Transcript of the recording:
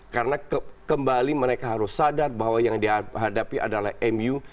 karena kembali mereka harus sadar bahwa yang dihadapi adalah mu